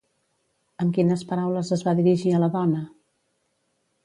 Amb quines paraules es va dirigir a la dona?